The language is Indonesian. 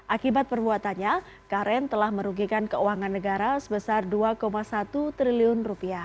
akibat perbuatannya karen telah merugikan keuangan negara sebesar rp dua satu triliun